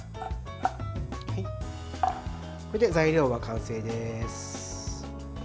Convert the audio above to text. これで材料は完成です。